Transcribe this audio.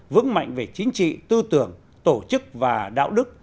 vững mạnh về chính trị tư tưởng tổ chức và đạo đức